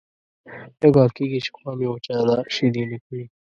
یو کال کېږي چې غوا مې وچه ده شیدې نه کوي.